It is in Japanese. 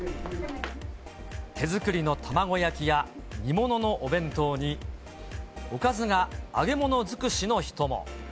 手作りの卵焼きや煮物のお弁当に、おかずが揚げ物尽くしの人も。